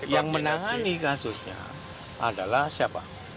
yang menangani kasusnya adalah siapa